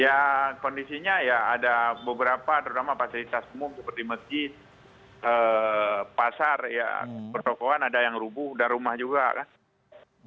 ya kondisinya ya ada beberapa terutama fasilitas umum seperti masjid pasar ya pertokohan ada yang rubuh ada rumah juga kan